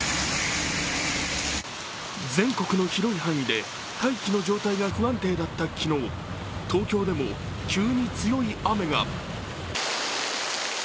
全国の広い範囲で大気の状態が不安定だった昨日東京でも急に強い雨が。